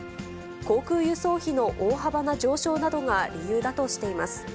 航空輸送費の大幅な上昇などが理由だとしています。